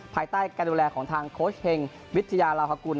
ภายใต้การดูแลของทางโค้ชเฮงวิทยาลาวฮกุล